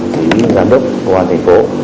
chỉ giám đốc công an thành phố